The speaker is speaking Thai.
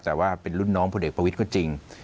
แต่ว่าเป็นรุ่นน้องผลเอกเบียดขวาควายจริง